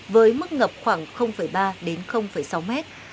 với mức ngập khoảng ba đến sáu mét